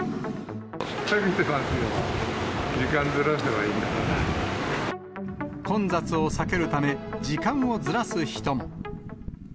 避けてますよ、時間ずらせば混雑を避けるため、時間をずらす人も。